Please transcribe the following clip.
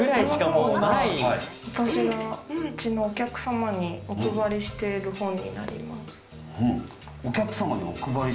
うちのお客様にお配りしている本になります。